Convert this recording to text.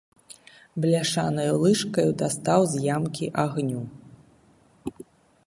Бляшанаю лыжкаю дастаў з ямкі агню.